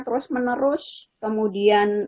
terus menerus kemudian